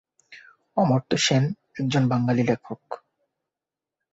অমর্ত্য সেন একজন বাঙালি লেখক।